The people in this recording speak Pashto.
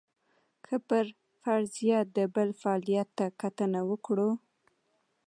که پر فرضیه د بل فعالیت ته کتنه وکړو.